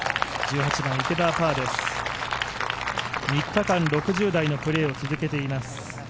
３日間６０台のプレーを続けています。